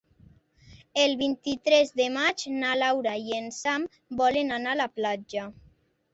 El vint-i-tres de maig na Laura i en Sam volen anar a la platja.